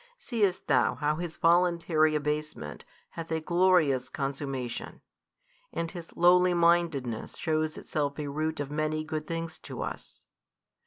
Seest thou how His voluntary abasement hath a glorious consummation, and His lowly mindedness shews itself a root of many good things to us?